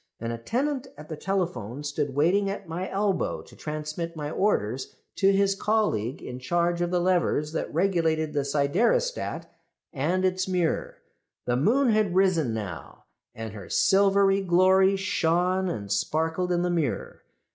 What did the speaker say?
An attendant at the telephone stood waiting at my elbow to transmit my orders to his colleague in charge of the levers that regulated the siderostat and its mirror. "The moon had risen now, and her silvery glory shone and sparkled in the mirror.